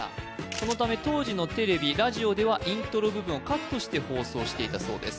そのため当時のテレビラジオではイントロ部分をカットして放送していたそうです